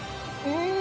うん！